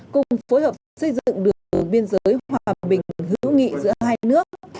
cùng phối hợp xây dựng đường biên giới hòa bình hữu nghị giữa hai nước